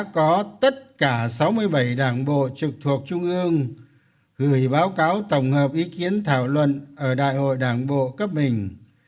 có tất cả sáu mươi bảy đảng bộ trực thuộc trung ương gửi báo cáo tổng hợp ý kiến thảo luận ở đại hội đảng bộ cấp mình